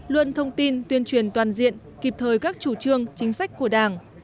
luôn thông tin tuyên truyền toàn diện kịp thời các chủ trương chính sách của đảng